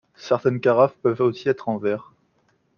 Certaines carafes peuvent aussi être en verre.